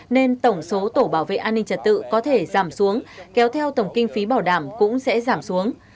nên tổng số tổ bảo vệ an ninh trật tự có thể giảm xuống kéo theo tổng kinh phí bảo đảm cũng sẽ giảm xuống